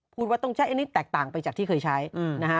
พูดว่าต้องใช้อันนี้แตกต่างไปจากที่เคยใช้นะฮะ